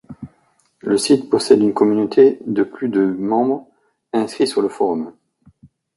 Le site possède une communauté de plus de membres inscrits sur le forum.